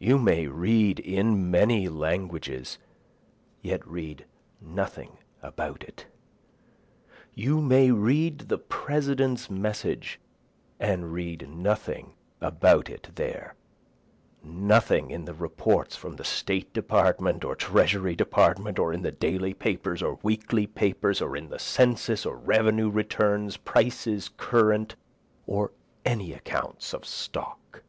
You may read in many languages, yet read nothing about it, You may read the President's message and read nothing about it there, Nothing in the reports from the State department or Treasury department, or in the daily papers or weekly papers, Or in the census or revenue returns, prices current, or any accounts of stock.